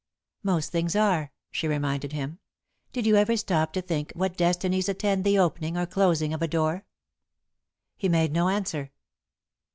"Most things are," she reminded him. "Did you ever stop to think what destinies attend the opening or closing of a door?" He made no answer.